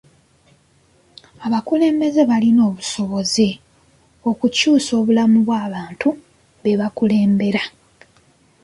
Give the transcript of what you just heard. Abakulembeze balina obusobozi okukyusa obulamu bw'abantu be bakulembera.